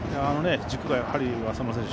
軸が浅村選手